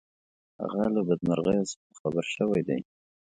هغه له بدمرغیو څخه خبر شوی دی.